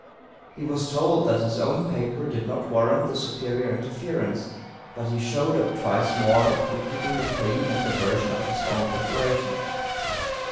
He was told that his own paper did not warrant the superior interference. But he showed up twice more, repeating the plea and the version of his own preparation.